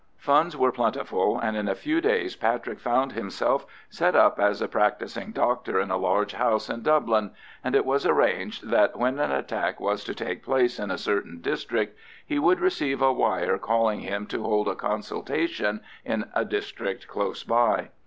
Funds were plentiful, and in a few days Patrick found himself set up as a practising doctor in a large house in Dublin, and it was arranged that, when an attack was to take place in a certain district, he should receive a wire calling him to hold a consultation in a district close by.